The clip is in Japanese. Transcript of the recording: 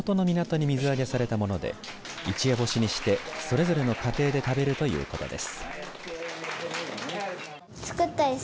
これらのいかは、地元の港に水揚げされたもので一夜干にして、それぞれの家庭で食べるということです。